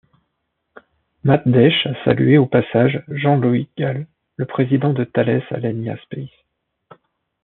Matt Desch a salué au passage Jean-Loïc Galle, le président de Thales Alenia Space..